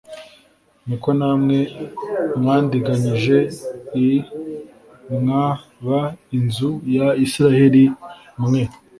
ni ko namwe mwandiganyije l mwa b inzu ya isirayeli mwe